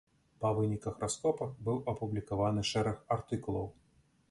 Па выніках раскопак быў апублікаваны шэраг артыкулаў.